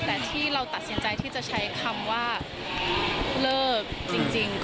แต่ที่เราตัดสินใจที่จะใช้คำว่าเลิกจริง